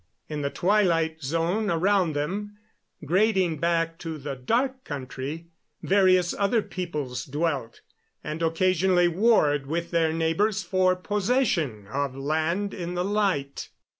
In the twilight zone around them, grading back to the Dark Country, various other peoples dwelt, and occasionally warred with their neighbors for possession of land in the light.